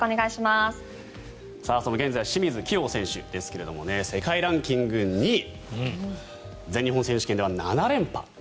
その清水希容選手ですが世界ランキング２位。全日本選手権では７連覇。